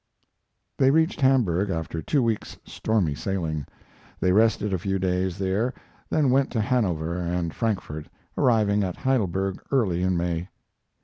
They reached Hamburg after two weeks' stormy sailing. They rested a few days there, then went to Hanover and Frankfort, arriving at Heidelberg early in May.